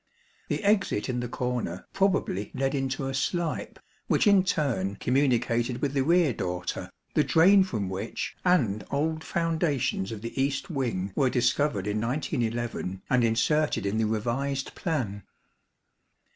The exit in the corner probably led into a slype which in turn communicated with the reredorter, the drain from which and old foundations of the east wing were discovered in 1911 and inserted in the revised plan.